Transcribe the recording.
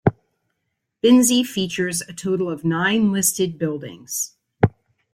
Binsey features a total of nine listed buildings.